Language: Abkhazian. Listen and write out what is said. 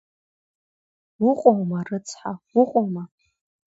Уҟоума, рыцҳа, уҟоума?